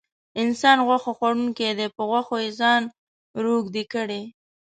انسان غوښه خوړونکی دی په غوښو یې ځان روږدی کړی.